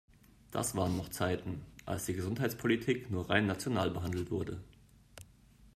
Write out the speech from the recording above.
Das waren noch Zeiten, als die Gesundheitspolitik nur rein national behandelt wurde!